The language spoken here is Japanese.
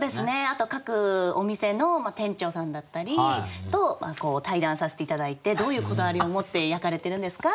あと各お店の店長さんだったりと対談させて頂いて「どういうこだわりを持って焼かれてるんですか？」